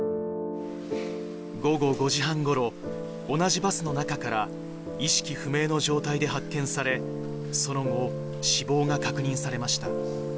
午後５時半ごろ、同じバスの中から意識不明の状態で発見され、その後、死亡が確認されました。